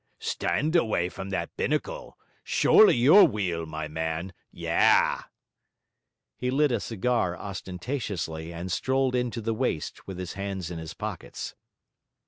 'Stand away from that binnacle. Surely your w'eel, my man. Yah.' He lit a cigar ostentatiously, and strolled into the waist with his hands in his pockets.